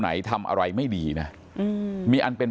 ฝ่ายกรเหตุ๗๖ฝ่ายมรณภาพกันแล้ว